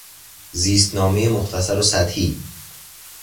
زیستنامهی مختصر و سطحی